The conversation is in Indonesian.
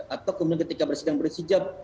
atau kemudian ketika bersidang bersijab